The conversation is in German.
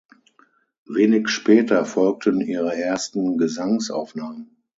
Wenig später folgten ihre ersten Gesangsaufnahmen.